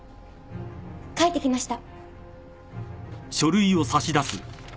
書いてきました。